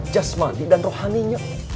jasmani dan rohaninya